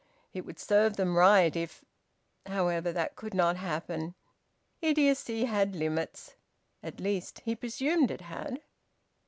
It would serve them right if However, that could not happen. Idiocy had limits. At least he presumed it had.